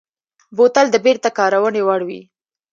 بوتل د بېرته کارونې وړ وي.